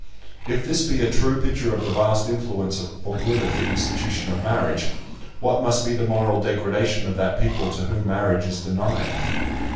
If this be a true picture of the vast influence for good of the institution of marriage, what must be the moral degradation of that people to whom marriage is denied?